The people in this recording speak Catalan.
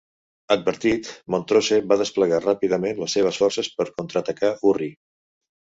Advertit, Montrose va desplegar ràpidament les seves forces per contraatacar Urry.